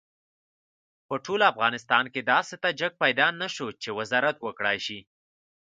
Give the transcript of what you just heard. په ټول افغانستان کې داسې تاجک پیدا نه شو چې وزارت وکړای شي.